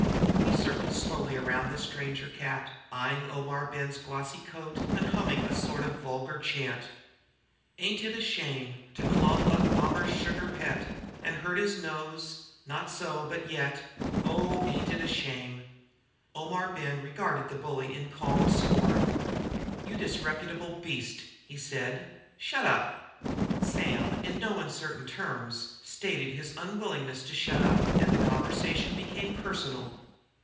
He circled slowly round the stranger cat, eying Omar Ben's glossy coat and humming a sort of vulgar chant: Ain't it a sham m m m e! To chaw up mommer's sugar pet, An' hurt his nose, not soon, but yet. Oh, ain't it a sham m m m e! Omar Ben regarded the bully in calm scorn. "You disreputable beast," he said, "shut up!" Sam, in no uncertain terms, stated his unwillingness to shut up, and the conversation became personal.